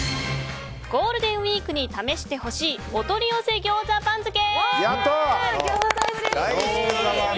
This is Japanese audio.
ゴールデンウィークに試してほしいお取り寄せギョーザ番付。